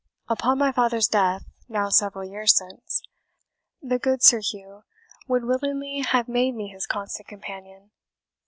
Upon my father's death, now several years since, the good Sir Hugh would willingly have made me his constant companion.